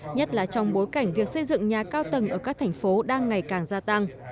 nhất là trong bối cảnh việc xây dựng nhà cao tầng ở các thành phố đang ngày càng gia tăng